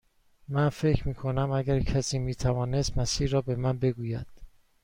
من فکر می کنم اگر کسی می توانست مسیر را به من بگوید.